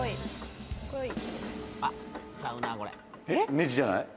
ネジじゃない？